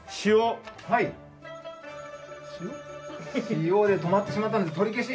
「シオ」で止まってしまったので「とりけし」！